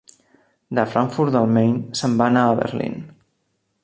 De Frankfurt del Main se'n va anar a Berlín.